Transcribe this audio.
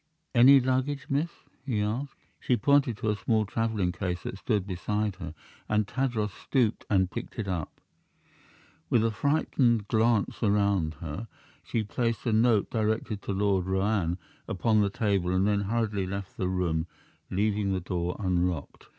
"Any luggage, miss?" he asked. She pointed to a small traveling case that stood beside her, and Tadros stooped and picked it up. With a frightened glance around her, she placed a note directed to Lord Roane upon the table and then hurriedly left the room, leaving the door unlocked.